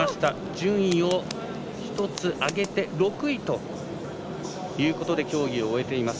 順位を１つ上げて６位ということで競技を終えています。